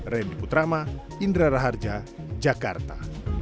reni putrama indra raharja jakarta